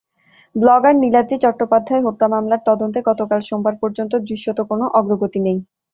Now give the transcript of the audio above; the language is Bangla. ব্লগার নীলাদ্রি চট্টোপাধ্যায় হত্যা মামলার তদন্তে গতকাল সোমবার পর্যন্ত দৃশ্যত কোনো অগ্রগতি নেই।